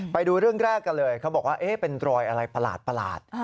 ไปดูเรื่องแรกกันเลยเขาบอกว่าเป็นรอยอะไรประหลาด